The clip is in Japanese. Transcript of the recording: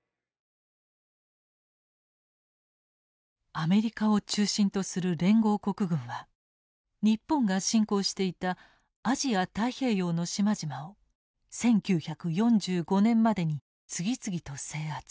アメリカを中心とする連合国軍は日本が侵攻していたアジア太平洋の島々を１９４５年までに次々と制圧。